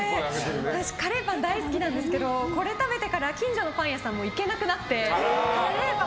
私、カレーパン大好きなんですけどこれ食べてから近所のパン屋さん行けなくなってカレーパン